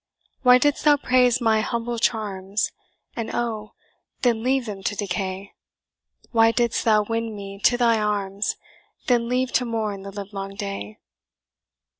"Why didst thou praise my hum'ble charms, And, oh! then leave them to decay? Why didst thou win me to thy arms, Then leave to mourn the livelong day?